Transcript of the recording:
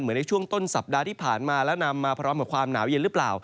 ในช่วงต้นสัปดาห์ที่ผ่านมาแล้วนำมาพร้อมกับความหนาวเย็นหรือเปล่า